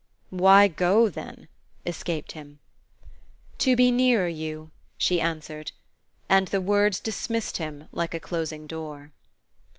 "Why go then ?" escaped him. "To be nearer you," she answered; and the words dismissed him like a closing door.